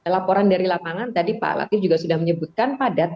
laporan dari lapangan tadi pak latif juga sudah menyebutkan padat